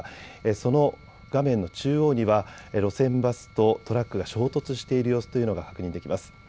その画面の中央には路線バスとトラックが衝突している様子というのが確認できます。